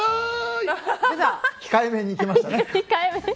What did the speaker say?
控えめにいきましたね。